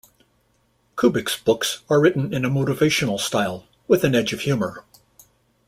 Kubiks books are written in a motivational style, with an edge of humour.